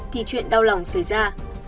thì chuyện đau lòng xảy ra